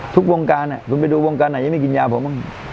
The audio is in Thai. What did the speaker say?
ทุกวงการคุณไปดูวงการไหนยังไม่กินยาผมบ้าง